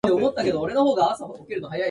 大好きな人ができた